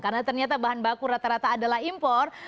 karena ternyata bahan baku rata rata adalah impor